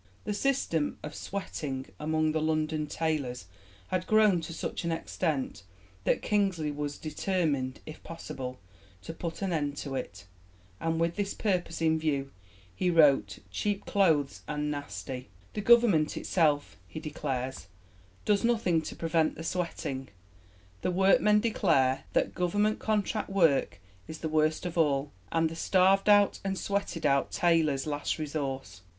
The system of 'sweating' among the London tailors had grown to such an extent that Kingsley was determined, if possible, to put an end to it, and with this purpose in view he wrote Cheap Clothes and Nasty. The Government itself, he declares, does nothing to prevent sweating; the workmen declare that "Government contract work is the worst of all, and the starved out and sweated out tailor's last resource .